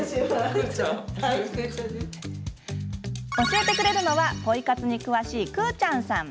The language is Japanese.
教えてくれるのはポイ活に詳しい、くぅちゃんさん。